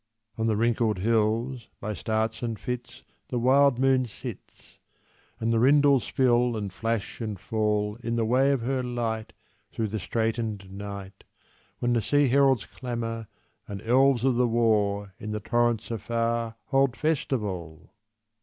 On the wrinkled hills, By starts and fits, The wild Moon sits; And the rindles fill and flash and fall In the way of her light, Through the straitened night, When the sea heralds clamour, and elves of the war, In the torrents afar, Hold festival!